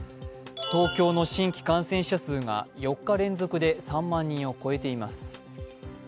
東京の新規感染者数が４日連続で３万人を超えています。